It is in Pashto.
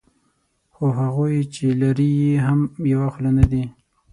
خو هغوی چې لري یې هم یوه خوله نه دي.